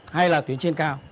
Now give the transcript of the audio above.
hay là tuyến trên cao